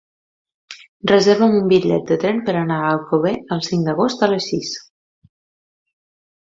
Reserva'm un bitllet de tren per anar a Alcover el cinc d'agost a les sis.